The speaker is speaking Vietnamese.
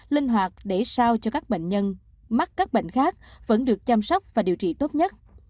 linh hoạt để sao cho các bệnh nhân mắc các bệnh khác vẫn được chăm sóc và điều trị tốt nhất